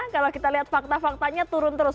kalau kita lihat fakta faktanya turun terus